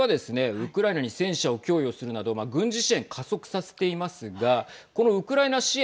ウクライナに戦車を供与するなど軍事支援加速させていますがこのウクライナ支援